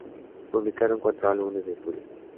Publicaron cuatro álbumes de estudio.